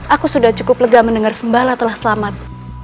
aku sudah cukup lega mendengar sembala telah selamat